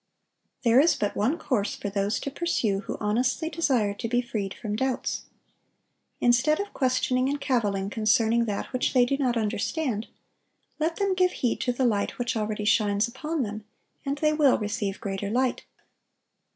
There is but one course for those to pursue who honestly desire to be freed from doubts. Instead of questioning and caviling concerning that which they do not understand, let them give heed to the light which already shines upon them, and they will receive greater light.